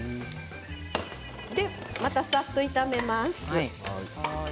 さっと炒めます。